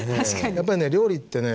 やっぱりね料理ってね